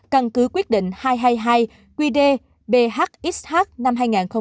căn cứ quyết định hai trăm hai mươi hai qd bhxh năm hai nghìn hai mươi một